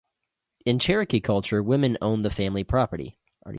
In Cherokee culture, women own the family property.